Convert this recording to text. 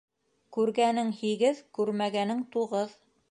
Күргәнең һигеҙ, күрмәгәнең туғыҙ.